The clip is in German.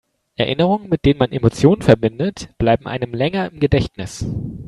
Erinnerungen, mit denen man Emotionen verbindet, bleiben einem länger im Gedächtnis.